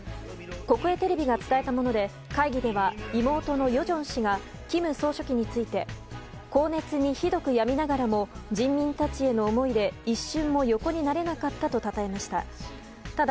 国営テレビが伝えたもので会議では妹の与正氏が金総書記について高熱にひどくやみながらも人民たちへの思いで一瞬も横になれなかったとたたえました。